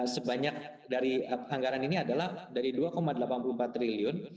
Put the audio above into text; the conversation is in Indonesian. sebanyak dari anggaran ini adalah dari dua delapan puluh empat triliun